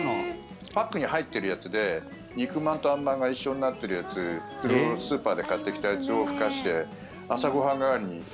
パックに入ってるやつで肉まんとあんまんが一緒になってるやつスーパーで買ってきたやつをふかして、朝ご飯代わりに。